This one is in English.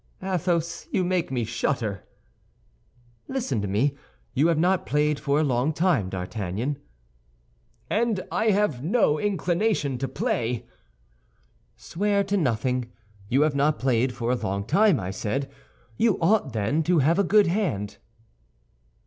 "Athos, you make me shudder." "Listen to me. You have not played for a long time, D'Artagnan." "And I have no inclination to play." "Swear to nothing. You have not played for a long time, I said; you ought, then, to have a good hand."